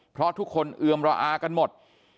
เพราะทุกคนเอือมระอากันหมด